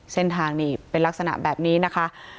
เส้นทางนี่เป็นลักษณะแบบนี้นะคะ